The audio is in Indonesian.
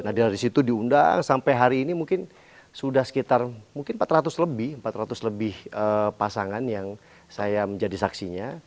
nah dari situ diundang sampai hari ini mungkin sudah sekitar empat ratus lebih pasangan yang saya menjadi saksinya